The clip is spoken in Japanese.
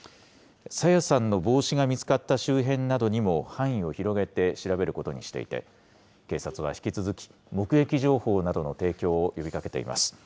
朝芽さんの帽子が見つかった周辺などにも範囲を広げて調べることにしていて、警察は引き続き、目撃情報などの提供を呼びかけています。